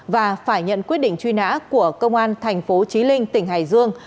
và phải nhận quyết định truy nã của công an thành phố trí linh tỉnh hải dương